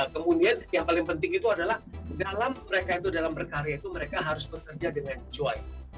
kemudian yang paling penting itu adalah dalam mereka itu dalam berkarya itu mereka harus bekerja dengan joy